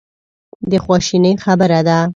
د خواشینۍ خبره ده.